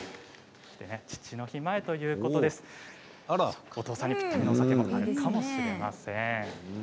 父の日前ということでお父さんにぴったりのお酒かもしれません。